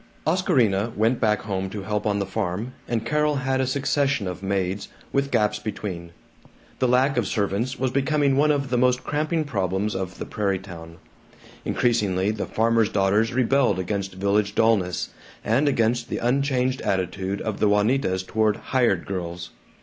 Oscarina went back home to help on the farm, and Carol had a succession of maids, with gaps between. The lack of servants was becoming one of the most cramping problems of the prairie town. Increasingly the farmers' daughters rebelled against village dullness, and against the unchanged attitude of the Juanitas toward "hired girls."